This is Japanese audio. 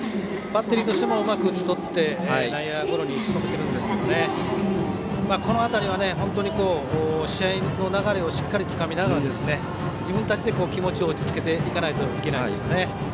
バッテリーとしても内野ゴロに打ち取っていますがこの辺りは本当に試合の流れをしっかりつかみながら自分たちで気持ちを落ち着けていかないといけないですね。